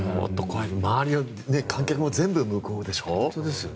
周りの観客も全部向こうでしょ？